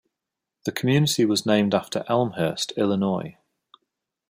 The community was named after Elmhurst, Illinois.